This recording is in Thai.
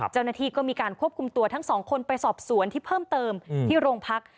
เจ้าหน้าที่ก็มีการควบคุมตัวทั้งสองคนไปสอบสวนที่เพิ่มเติมที่โรงพัก